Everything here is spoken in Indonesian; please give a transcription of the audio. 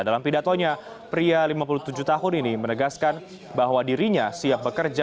dalam pidatonya pria lima puluh tujuh tahun ini menegaskan bahwa dirinya siap bekerja